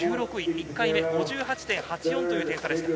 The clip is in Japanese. １回目、５８．８４という点数でした。